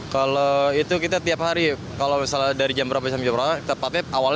kalau itu kita tiap hari kalau misalnya dari jam berapa sampai jam berapa tepatnya awalnya